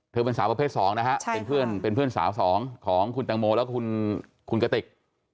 เธอเป็นสาวประเภทสองนะคะใช่ค่ะเป็นเพื่อนเป็นเพื่อนสาวสองของคุณตังโมแล้วก็คุณคุณกะติก